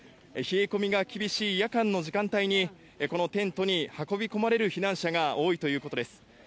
冷え込みが厳しい夜間の時間帯に、このテントに運び込まれる避難者が多いということです。